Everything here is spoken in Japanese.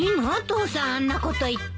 父さんあんなこと言って。